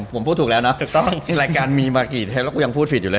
ผมพูดถูกแล้วนะถูกต้องที่รายการมีมากี่เทปแล้วก็ยังพูดผิดอยู่เลย